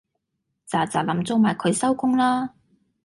喳喳林做埋佢收工啦